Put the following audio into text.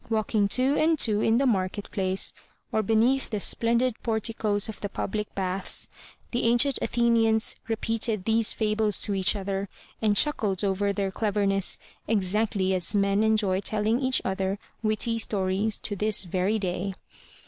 Walk ing two and two in the market place, or beneath the splendid porticoes of the public baths, the ancient Athenians repeated these fables to each other and chuckled over their cleverness, exactly as men enjoy telling each other witty stories to this very day.